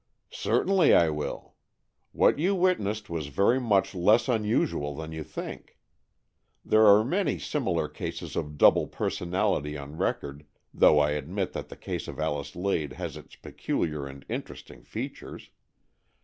" Certainly I will. What you witnessed was very much less unusual than you think. There are many similar cases of double personality on record, though I admit that the case of Alice Lade has its peculiar and interesting features.